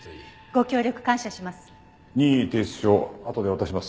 ご協力感謝します。